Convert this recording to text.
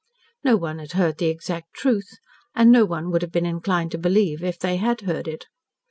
No one had heard the exact truth, and no one would have been inclined to believe if they had heard it.